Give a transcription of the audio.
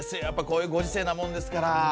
やっぱこういうご時世なもんですから。